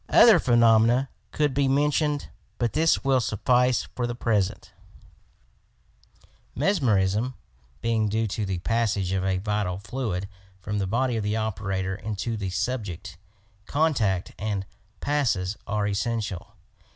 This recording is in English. Other phenom ena could be mentioned, but this will suffice for the present. PASSES AND SCOOEaTlON Mesmerism being due to the passage of a vital fluidi from the body of the operator into the subject ; contact and pasises are essential.